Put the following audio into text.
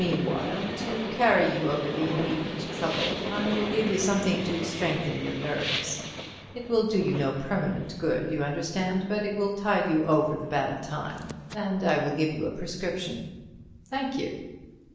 "Meanwhile, to carry you over the immediate trouble I will give you something to strengthen your nerves. It will do you no permanent good, you understand, but it will tide you over the bad time. And I will give you a prescription." "Thank you."